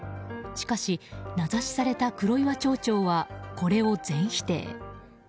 しかし、名指しされた黒岩町長はこれを全否定。